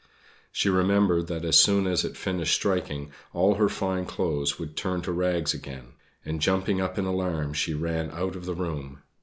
She remembered that as soon as it finished striking, all her fine clothes would turn to rags again; and, jumping up in alarm, she ran out of the room.